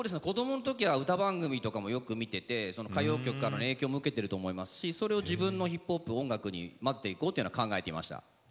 子どもの時は歌番組とかもよく見てて歌謡曲からの影響も受けてると思いますしそれを自分のヒップホップ音楽に混ぜていこうというのは考えていました。